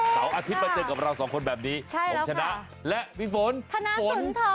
เส้าอาทิตย์มาเจอกับเราสองคนแบบนี้ใช่แล้วค่ะคุณชนะและพี่ฝนธนาสุนทร